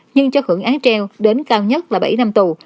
nhưng cho hưởng án treo đến cao nhất là bảy năm tù